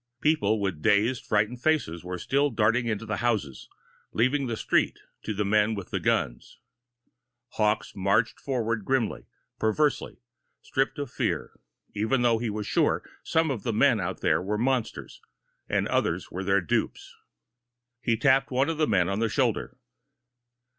People with dazed, frightened faces were still darting into the houses, leaving the street to the men with the guns. Hawkes marched forward grimly, perversely stripped of fear, even though he was sure some of the men out there were monsters and others were their dupes. He tapped one of the men on the shoulder.